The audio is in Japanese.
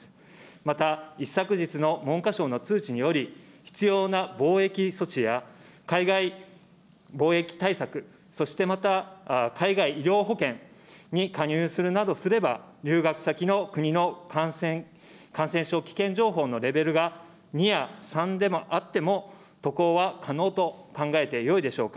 また一昨日の文科省の通知により、必要な防疫措置や、海外防疫対策、そしてまた海外医療保険に加入するなどすれば、留学先の国の感染症危険情報のレベルが２や３であっても、渡航は可能と考えてよいでしょうか。